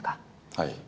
はい。